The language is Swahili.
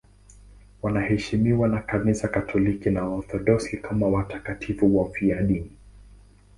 Wanaheshimiwa na Kanisa Katoliki na Waorthodoksi kama watakatifu wafiadini.